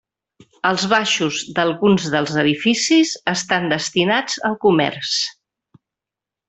Els baixos d'alguns dels edificis estan destinats al comerç.